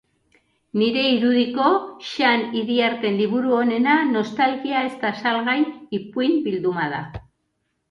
Nire irudiko, Xan Idiarten liburu onena "Nostalgia ez da salgai" ipuin-bilduma da.